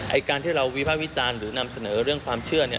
การที่เราวิภาควิจารณ์หรือนำเสนอเรื่องความเชื่อเนี่ย